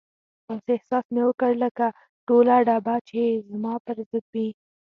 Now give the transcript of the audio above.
داسې احساس مې وکړ لکه ټوله ډبه چې زما پر ضد وي.